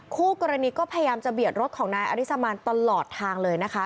คู่กรณีก็พยายามจะเบียดรถของนายอริสมานตลอดทางเลยนะคะ